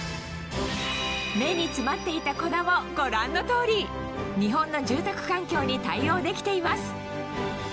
目に詰まっていた粉もご覧の通り日本の住宅環境に対応できています